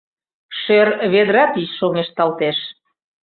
Шӧр ведра тич шоҥешталтеш.